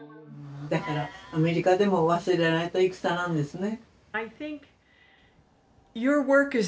だからアメリカでも忘れられた戦なんですね。